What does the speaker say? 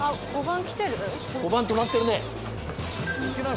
５番止まってるね。